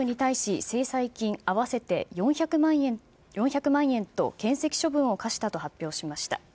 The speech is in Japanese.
きのう、西井社長とチームに対し、制裁金合わせて４００万円とけん責処分を科したと発表しました。